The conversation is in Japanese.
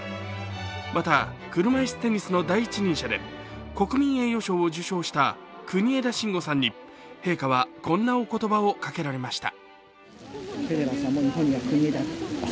また、車いすテニスの第一人者で国民栄誉賞を受賞した国枝慎吾さんに陛下はこんなお言葉をかけられました。